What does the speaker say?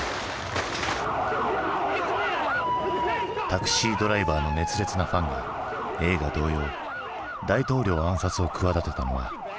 「タクシードライバー」の熱烈なファンが映画同様大統領暗殺を企てたのはもう少し先の話だ。